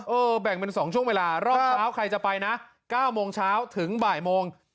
แบ่งเป็น๒ช่วงเวลารอบเช้าใครจะไปนะ๙โมงเช้าถึงบ่ายโมง